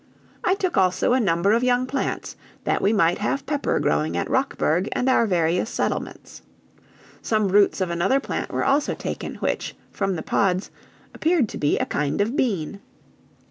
I took also a number of young plants, that we might have pepper growing at Rockburg and our various settlements. Some roots of another plant were also taken, which, from the pods, appeared to be a kind of bean.